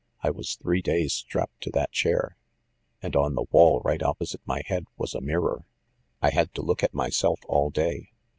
I was three days strapped to that chair, and on the wall right opposite my head was a mirror. I had to look at myself all day.